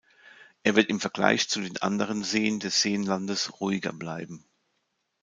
Er wird im Vergleich zu den anderen Seen des Seenlandes ruhiger bleiben.